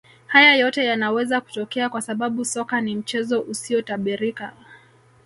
Haya yote yanaweza kutokea kwa sababu soka ni mchezo usiotabirika